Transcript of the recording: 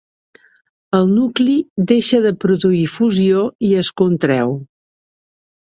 El nucli deixa de produir fusió i es contreu.